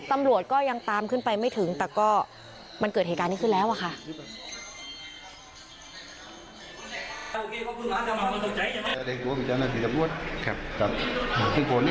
ตำรวจก็ยังตามขึ้นไปไม่ถึงแต่ก็มันเกิดเหตุการณ์นี้ขึ้นแล้วอะค่ะ